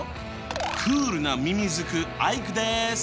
クールなミミズクアイクです！